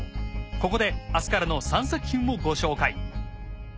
ここで明日からの３作品をご紹介。